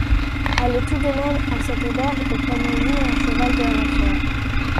Alors allez tout de même à cette auberge et prenez-y un cheval de renfort.